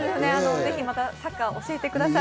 ぜひまたサッカーを教えてください。